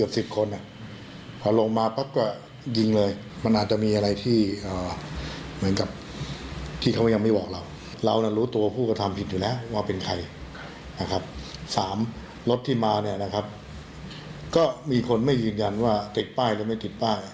รถที่มาเนี่ยนะครับก็มีคนไม่ยืนยันว่าติดป้ายหรือไม่ติดป้าย